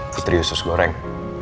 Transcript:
putri usus goreng